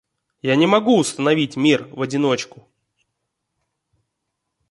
Я не могу установить мир в одиночку.